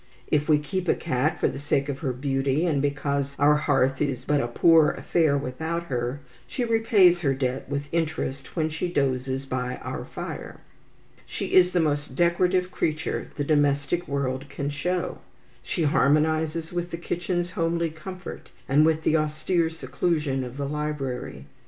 If we keep a cat for the sake of her beauty, and because our hearth is but a poor affair without her, she repays her debt with interest when she dozes by our fire. She is the most decorative creature the domestic world can show. She harmonizes with the kitchen's homely comfort, and with the austere seclusion of the library.